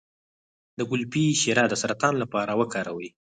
د ګلپي شیره د سرطان لپاره وکاروئ